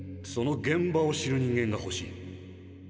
その現場を知る人間がほしい。